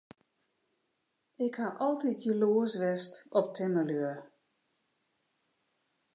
Ik haw altyd jaloersk west op timmerlju.